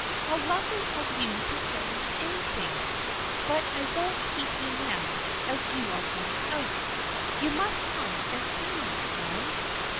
How lovely of you to send me anything ! But I won't keep you now, as you are going out. You must come and see me, Anne."